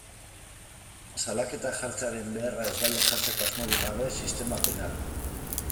Salaketak jartzearen beharra ezbaian jartzeko asmorik gabe, sistema penala.